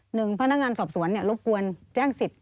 หนึ่งพนักงานสอบสวนรบกวนแจ้งสิทธิ